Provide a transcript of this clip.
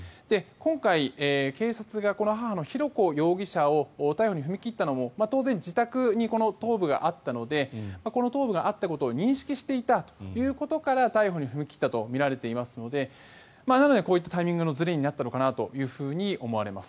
今回、警察がこの母の浩子容疑者の逮捕に踏み切ったのも当然、自宅にこの頭部があったのでこの頭部があったことを認識していたということから逮捕に踏み切ったとみられていますのでなのでこういったタイミングのずれになったのかと思われます。